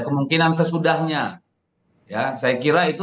kemungkinan sesudahnya ya saya kira itu